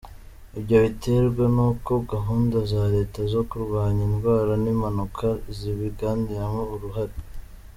Ibyo biterwa n’uko gahunda za Leta zo kurwanya indwara n’impanuka zibigiramo uruhare.